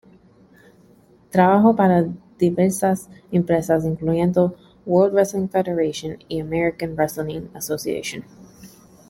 Trabajó para diversas empresas incluyendo World Wrestling Federation y American Wrestling Association.